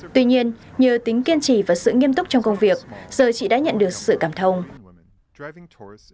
tuy nhiên nhờ tính kiên trì và sự nghiêm túc trong công việc giờ chị đã nhận được sự cảm thông